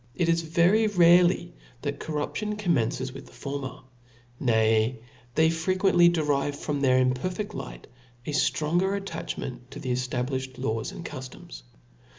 It is very rare that corruption commences with the former : nay they frequently derive from their imperfedl light a ftronger attachment to the eftablifhed laws and cuftoms.